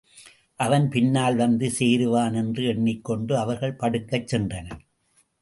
அவன் பின்னால் வந்து சேருவான் என்று எண்ணிக்கொண்டு அவர்கள் படுக்கச் சென்றனர்.